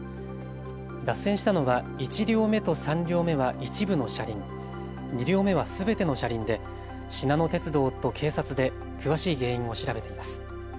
脱線したのは１両目と３両目は一部の車輪、２両目はすべての車輪でしなの鉄道と警察で詳しい原因を調べています。